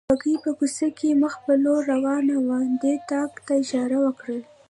بګۍ په کوڅه کې مخ په لوړه روانه وه، دې طاق ته اشاره وکړل.